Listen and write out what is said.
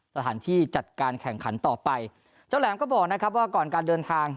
สถานที่จัดการแข่งขันต่อไปเจ้าแหลมก็บอกนะครับว่าก่อนการเดินทาง